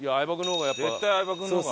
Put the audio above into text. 絶対相葉君の方が。